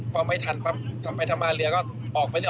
พอไม่ทันปั๊บก็ไปทำมาเรือก็ออกไปเลย